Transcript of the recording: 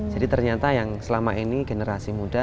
jadi ternyata yang selama ini generasi muda